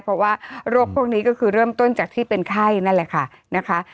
เพราะว่าโรคพวกนี้ก็คือเริ่มต้นจากที่เป็นไข้นั่นแหละค่ะนะคะ